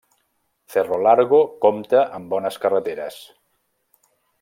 Cerro Largo compta amb bones carreteres.